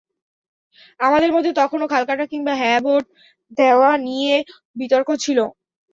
আমাদের মধ্যে তখনো খাল কাটা কিংবা হ্যাঁ ভোট দেওয়া নিয়ে বিতর্ক ছিল।